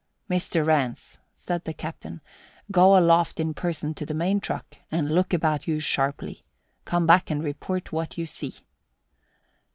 "Mr. Rance," said the captain, "go aloft in person to the main truck and look about you sharply. Come back and report what you see."